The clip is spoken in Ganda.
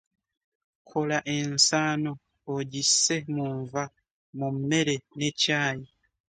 Kola ensano ogisse mu nva mu mmere ne caayi.